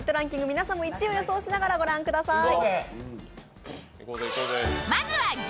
皆さんも１位を予想しながら御覧ください。